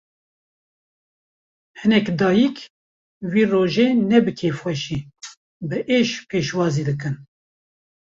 Hinek dayîk, vê rojê ne bi kêfxweşî, bi êş pêşwazî dikin